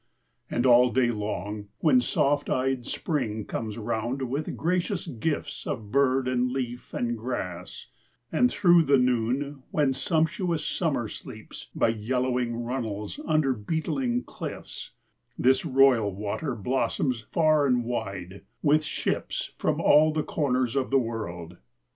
And all day long, when soft eyed Spring comes round With gracious gifts of bird and leaf and grass And through the noon, when sumptuous Summer sleeps By yellowing runnels under beetling cliffs, This royal water blossoms far and wide With ships from all the corners of the world.